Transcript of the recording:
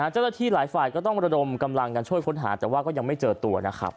เจ้าหน้าที่หลายฝ่ายก็ต้องระดมกำลังกันช่วยค้นหาแต่ว่าก็ยังไม่เจอตัวนะครับ